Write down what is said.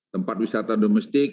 tempat wisata domestik